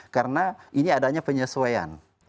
karena ini adanya penyesuaian